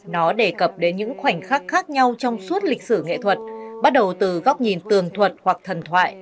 nó đề cập đến những khoảnh khắc khác nhau trong suốt lịch sử nghệ thuật bắt đầu từ góc nhìn tường thuật hoặc thần thoại